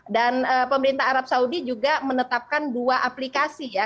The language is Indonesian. dan pemerintah arab saudi juga menetapkan dua aplikasi ya